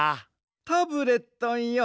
タブレットンよ。